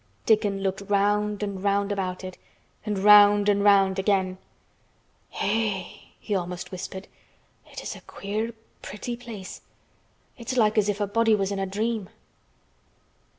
Dickon looked round and round about it, and round and round again. "Eh!" he almost whispered, "it is a queer, pretty place! It's like as if a body was in a dream."